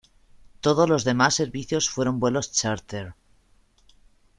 Todos los demás servicios fueron vuelos chárter.